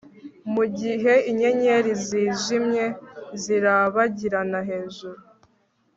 mugihe inyenyeri zijimye zirabagirana hejuru